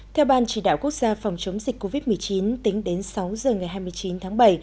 theo ban chỉ đạo quốc gia phòng chống dịch covid một mươi chín tính đến sáu giờ ngày hai mươi chín tháng bảy